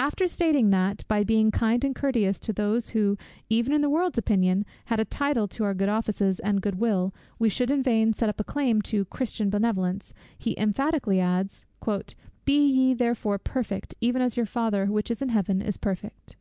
After stating that, by being kind and courteous to those who, even in the world's opinion, had a title to our good offices and good will, we should in vain set up a claim to Christian benevolence, he emphatically adds, "Be ye therefore perfect, even as your Father which is in heaven is perfect."